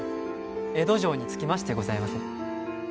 江戸城に着きましてございます。